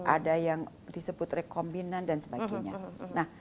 ada yang disebut rekombinant dan sebagainya